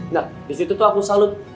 nah disitu tuh aku salut